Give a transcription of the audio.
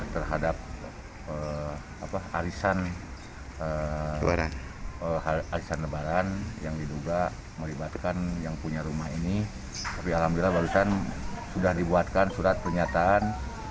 terhadap arisan arisan lebaran yang diduga melibatkan yang punya rumah ini tapi alhamdulillah barusan sudah dibuatkan surat pernyataan